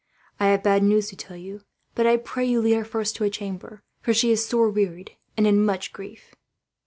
I have bad news to tell you; but I pray you lead her first to a chamber, for she is sore wearied and in much grief."